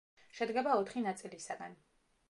შედგება ოთხი ნაწილისაგან.